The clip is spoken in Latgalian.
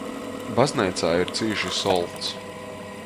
Bazneicā ir cīši solts.